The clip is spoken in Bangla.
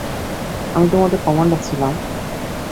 আমি তোমাদের কমান্ডার ছিলাম?